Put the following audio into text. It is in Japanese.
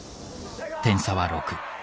点差は６。